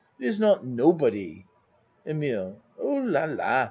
It is not nobody. EMILE Oh, la, la!